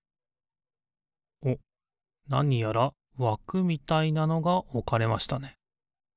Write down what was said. なにやらわくみたいなのがおかれましたね。